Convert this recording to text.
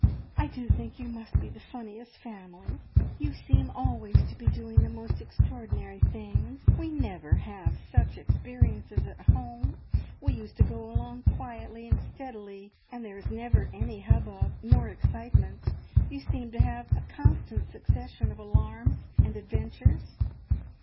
"I do think you must be the funniest family! You seem always to be doing the most extraordinary things. We never have such experiences at home. We used to go along quietly and steadily, and there is never any hubbub nor excitement. You seem to have a constant succession of alarms and adventures."